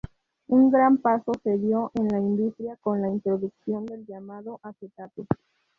Un gran paso se dio en la industria con la introducción del llamado acetato.